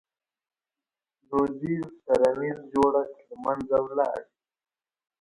• دودیز کرنیز جوړښت له منځه ولاړ.